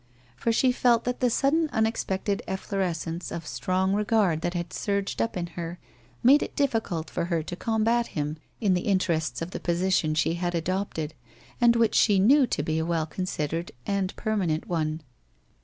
For she felt that the sudden unexpected efflorescence of strong regard that had surged up in her, made it diffi cult for her to combat him in the interests of the posi tion she had adopted and which she knew to be a well considered and permanent one.